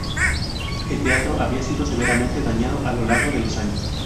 El teatro había sido severamente dañado a lo largo de los años.